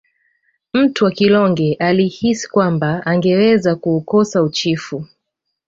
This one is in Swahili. Mtwa kilonge alihisi kwamba angeweza kuukosa uchifu